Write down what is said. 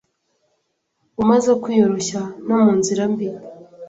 Umaze kwiyoroshya no munzira mbi